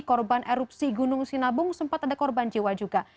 korban erupsi gunung sinabung sempat ada korban jiwa juga